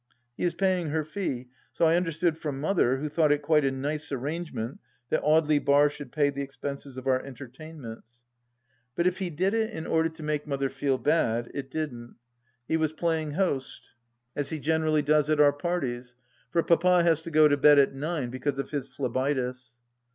He is paying her fee, so I understood from Mother, who thought it quite a nice arrangement that Audely Bar should pay the expenses of our entertainments 1 But if he did it in order 48 THE LAST DITCH to make Mother feel bad — it didn't. He was playing host, as he generally does at our parties, for Papa has to go to bed at nine, because of his phlebitis.